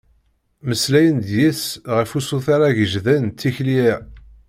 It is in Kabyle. Mmeslayen-d deg-s ɣef usuter agejdan n tikli-a.